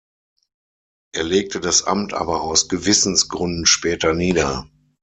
Er legte das Amt aber aus Gewissensgründen später nieder.